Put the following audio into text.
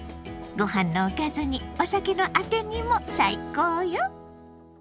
ごはんのおかずにお酒のあてにも最高よ。